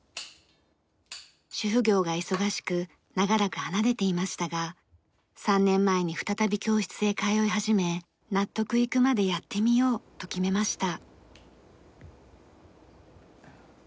主婦業が忙しく長らく離れていましたが３年前に再び教室へ通い始め「納得いくまでやってみよう」と決めました。